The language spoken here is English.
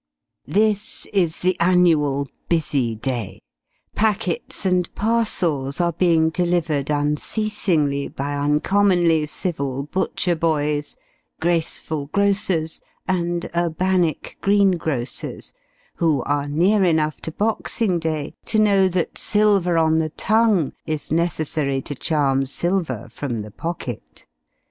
This is the annual busy day. Packets and parcels are being delivered unceasingly by uncommonly civil butcher boys, graceful grocers, and urbanic green grocers, who are near enough to boxing day to know that silver on the tongue is necessary to charm silver from the pocket.